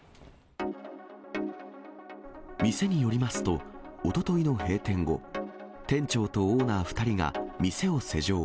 店によりますと、おとといの閉店後、店長とオーナー２人が店を施錠。